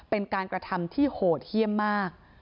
เป็นการกระทำที่โหดเยี่ยมมาก